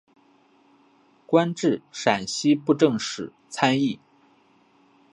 官至陕西布政使参议。